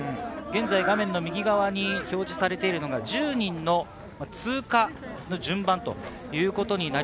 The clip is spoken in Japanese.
画面右側に表示されているのは１０人の通過の順番です。